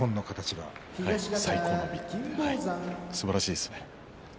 すばらしいですね。